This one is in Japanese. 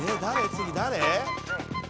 次誰？」